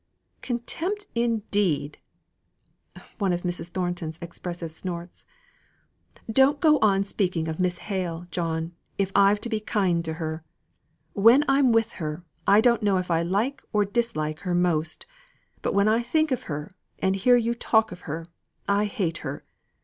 "Contempt, indeed!" (One of Mrs. Thornton's expressive snorts.) "Don't go on speaking of Miss Hale, John, if I've to be kind to her. When I'm with her, I don't know if I like or dislike her most; but when I think of her, and hear you talk of her, I hate her.